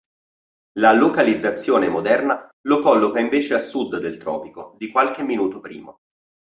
La localizzazione moderna lo colloca invece a sud del tropico di qualche minuto primo.